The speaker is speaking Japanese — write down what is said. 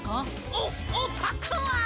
おおたくは！